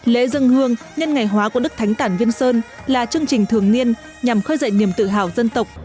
lễ dân hương nhân ngày hóa của đức thánh tản viên sơn là chương trình thường niên nhằm khơi dậy niềm tự hào dân tộc